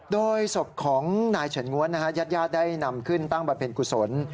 โดยศพของนายเฉินงวลนะครับยัดยาได้นำขึ้นตั้งบันเพ็ญกุศล